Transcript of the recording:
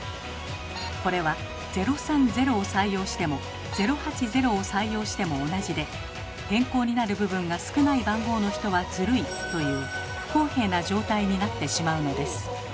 これは「０３０」を採用しても「０８０」を採用しても同じで「変更になる部分が少ない番号の人はズルい」という不公平な状態になってしまうのです。